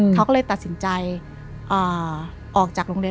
เขาก็เลยตัดสินใจออกจากโรงเรียน